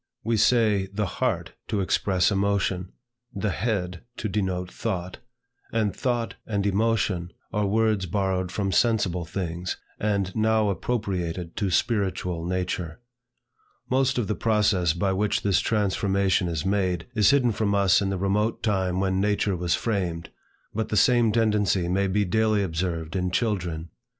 We say the heart to express emotion, the head to denote thought; and thought and emotion are words borrowed from sensible things, and now appropriated to spiritual nature. Most of the process by which this transformation is made, is hidden from us in the remote time when language was framed; but the same tendency may be daily observed in children.